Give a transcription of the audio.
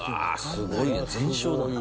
すごいよ全焼だ。